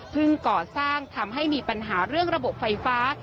ก่อสร้างทำให้มีปัญหาเรื่องระบบไฟฟ้า